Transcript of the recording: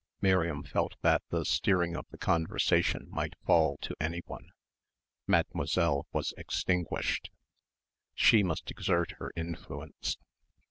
Miriam felt that the steering of the conversation might fall to anyone. Mademoiselle was extinguished. She must exert her influence.